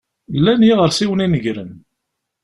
Llan yiɣersiwen inegren.